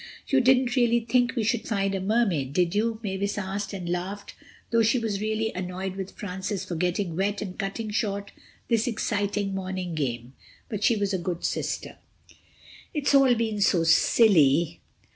"You didn't really think we should find a Mermaid, did you?" Mavis asked, and laughed, though she was really annoyed with Francis for getting wet and cutting short this exciting morning game. But she was a good sister. "It's all been so silly.